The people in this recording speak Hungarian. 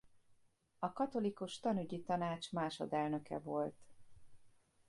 A Katolikus Tanügyi Tanács másodelnöke volt.